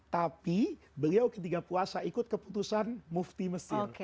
tapi beliau ketika puasa ikut keputusan mufti mesir